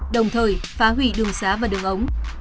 đồng thời phá hủy đường xá và đường ống